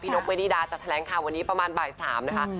พี่นกเบนดีดาจะแถลงค่ะวันนี้ประมาณบ่ายสามนะคะ